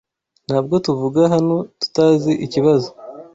ntabwo tuvuga hano tutazi ikibazo